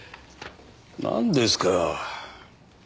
なんですか。